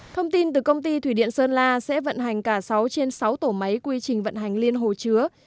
thông tin từ công ty thủy điện sơn la sẽ vận hành cả sáu trên sáu tổ máy quy trình vận hành liên hồ chứa